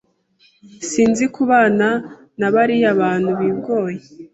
Sinzi kubana nabariya bantu bigoye.